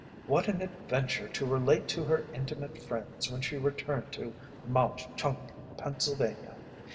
What an adventure to relate to her intimate friends when she returned to Mauch Chunk, Pennsylvania!